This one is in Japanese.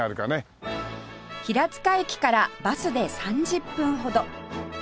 平塚駅からバスで３０分ほど